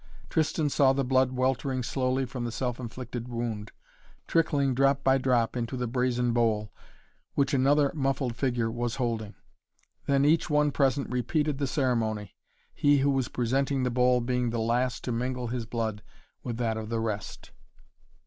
Tristan saw the blood weltering slowly from the self inflicted wound, trickling drop by drop into the brazen bowl, which another muffled figure was holding. Then each one present repeated the ceremony, he who was presenting the bowl being the last to mingle his blood with that of the rest.